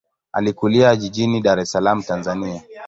Alikulia jijini Dar es Salaam, Tanzania.